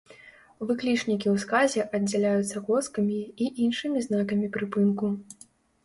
Выклічнікі ў сказе аддзяляюцца коскамі і іншымі знакамі прыпынку.